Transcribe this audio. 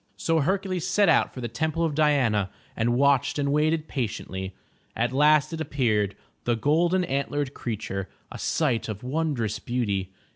So Hercules set out for the Temple of Diana, and watched and waited patiently. At last it appeared, — ^the golden antlered creature, a sight of wondrous beauty.